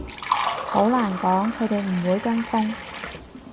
好難講，佢哋唔會跟風